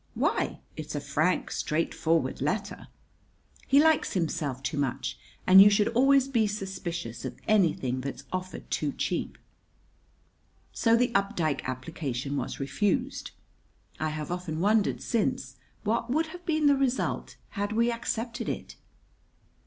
"Why? It's a frank, straightforward letter." "He likes himself too much. And you should always be suspicious of anything that's offered too cheap." So the Updike application was refused. I have often wondered since what would have been the result had we accepted it!